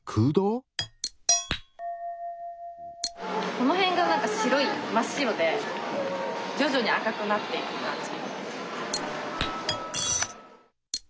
この辺が白い真っ白でじょじょに赤くなっていく感じ。